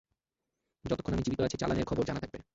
যতক্ষণ আমি জীবিত আছি, চালানের খবর জানা থাকবে।